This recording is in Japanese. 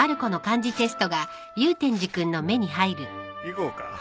行こうか。